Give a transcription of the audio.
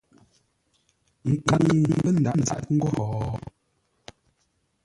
Nkaŋ-ŋuu pə́ ndaʼ záp ńgó ho?